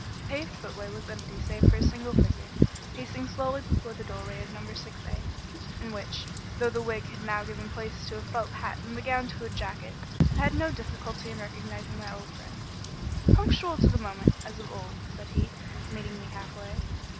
The paved footway was empty save for a single figure, pacing slowly before the doorway of number 6A, in which, though the wig had now given place to a felt hat and the gown to a jacket, I had no difficulty in recognising my friend. "Punctual to the moment, as of old," said he, meeting me half way.